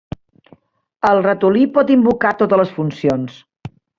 El ratolí pot invocar totes les funcions.